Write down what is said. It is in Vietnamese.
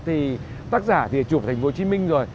thì tác giả thì chụp thành phố hồ chí minh rồi